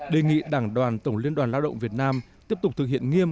đề nghị đảng đoàn tổng liên đoàn lao động việt nam tiếp tục thực hiện nghiêm